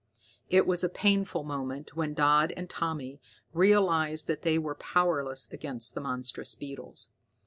It was a painful moment when Dodd and Tommy realized that they were powerless against the monstrous beetles.